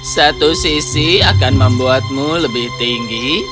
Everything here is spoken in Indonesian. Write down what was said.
satu sisi akan membuatmu lebih tinggi